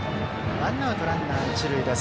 ワンアウトランナー、一塁です。